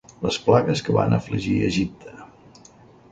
Les plagues que van afligir Egipte.